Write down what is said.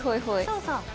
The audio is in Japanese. そうそう。